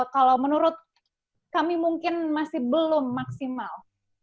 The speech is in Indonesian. kalau menurut kami mungkin masih belum maksimal